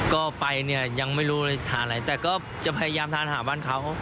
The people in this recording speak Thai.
ก็ไปเนี่ยยังไม่รู้เลยทานอะไรแต่ก็จะพยายามทานหาบ้านเขา